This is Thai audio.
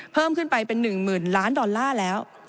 เพิ่มขึ้นไปเป็น๑๐๐๐ล้านดอลลาร์แล้ว